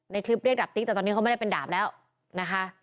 ในคลิปเรียกดาบติ๊กแต่ตอนนี้เขาไม่ได้เป็นดาบแล้วนะคะ